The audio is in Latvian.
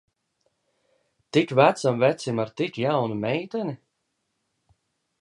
Tik vecam vecim ar tik jaunu meiteni?